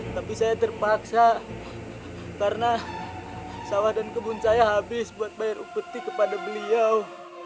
tapi saya terpaksa karena sawah dan kebun saya habis buat bayar upeti kepada beliau